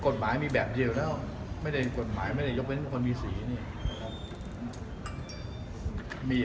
กฎหมายมีแบบเดียวแล้วไม่ได้กฎหมายไม่ได้ยกเว้นคนมีสีเนี่ยมี